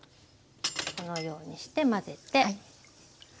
このようにして混ぜて。